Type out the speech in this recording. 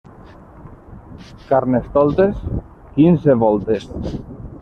Carnestoltes, quinze voltes.